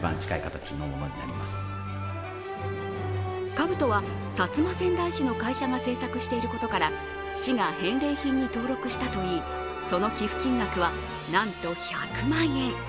かぶとは薩摩川内市の会社が製作していることから市が返礼品に登録したといいその寄付金額はなんと１００万円。